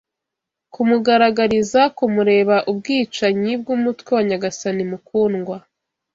Kumugaragariza kumureba ubwicanyi bwumutwe wa nyagasani mukundwa